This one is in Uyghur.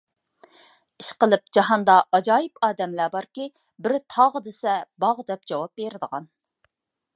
ئىشقىلىپ جاھاندا ئاجايىپ ئادەملەر باركى، بىرى تاغ دېسە، باغ دەپ جاۋاب بېرىدىغان.